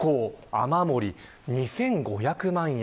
雨漏り、２５００万円